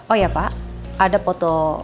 oh ya pak ada foto